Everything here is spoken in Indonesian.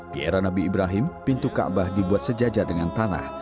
di era nabi ibrahim pintu kaabah dibuat sejajar dengan tanah